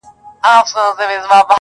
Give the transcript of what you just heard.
د طاووس تر رنګینیو مي خوښيږي-